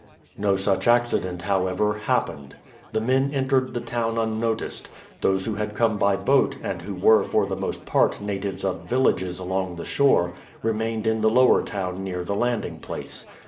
No such accident, however, happened. The men entered the town unnoticed. Those who had come by boat, and who were for the most part natives of villages along the shore, remained in the lower town near the landing place.